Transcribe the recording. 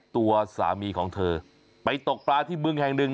ตัวสามีของเธอไปตกปลาที่บึงแห่งหนึ่ง